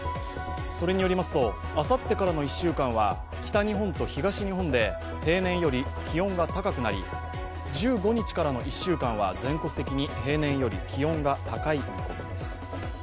それによりますとあさってからの１週間は北日本と東日本で平年より気温が高くなり１５日からの１週間は全国的に平年より気温が高い見込みです。